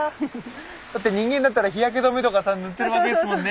だって人間だったら日焼け止めとかさ塗ってるわけですもんね。